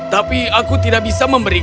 tapi aku tidak bisa membeli emasmu